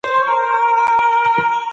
شتمني تر عقیدې ډیره مهمه ګڼل کیږي.